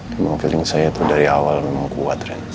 memang feeling saya itu dari awal memang kuat